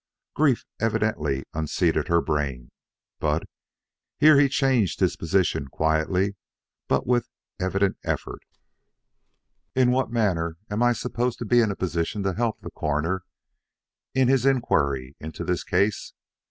Grief evidently unseated her brain. But " here he changed his position quietly but with evident effort: "in what manner am I supposed to be in a position to help the Coroner in his inquiry into this case?